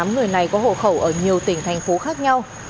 ba mươi tám người này có hộ khẩu ở nhiều tỉnh thành phố khác nhau